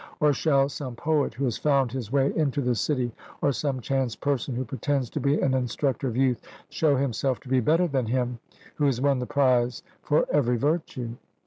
Or shall some poet who has found his way into the city, or some chance person who pretends to be an instructor of youth, show himself to be better than him who has won the prize for every virtue?